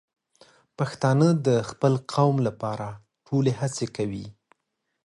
پښتانه د خپل قوم لپاره ټولې هڅې کوي.